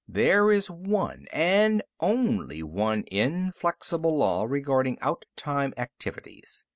"There is one, and only one, inflexible law regarding outtime activities.